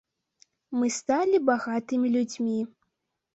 Мы сталі багатымі людзьмі.